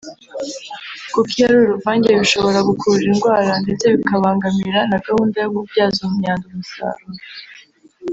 kuko iyo ari uruvange bishobora gukurura indwara ndetse bikabangamira na gahunda yo kubyaza imyanda umusaruro